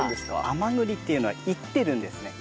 甘栗っていうのは炒ってるんですね。